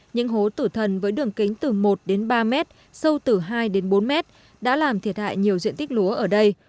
những hố tử thần với đường kính từ một đến ba mét sâu từ hai đến bốn mét đã làm thiệt hại nhiều diện tích lúa ở đây